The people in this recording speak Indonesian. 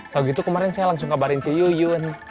kalau gitu kemarin saya langsung kabarin ci yun